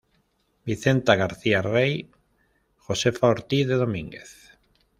Vicenta García Rey: Josefa Ortiz de Domínguez.